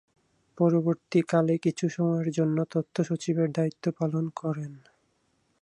পরবর্তীকালে কিছু সময়ের জন্য তথ্য সচিবের দায়িত্ব পালন করেন।